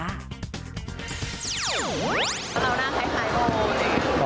อ่าวน่าคล้ายโบ